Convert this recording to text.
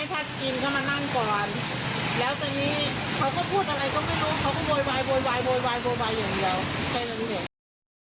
ถ้ากินเข้ามานั่งก่อนเขาก็พูดอะไรก็ไม่รู้